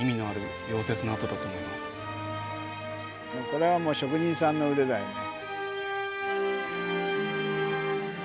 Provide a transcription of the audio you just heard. これはもう職人さんの腕だよね。